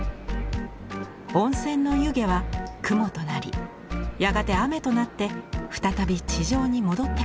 温泉の湯気は雲となりやがて雨となって再び地上に戻ってくる。